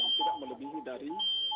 yang tidak melebihi dari